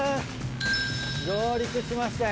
上陸しましたよ。